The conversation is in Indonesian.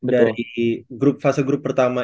dari fase grup pertama